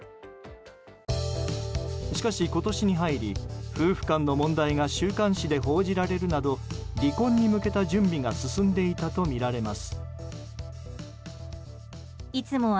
しかし、今年に入り夫婦間の問題が週刊誌で報じられるなど離婚に向けた準備が進んでいたとみられます。